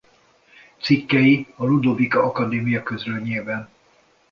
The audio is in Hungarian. Cikkei a Ludovika Akadémia Közlönyében.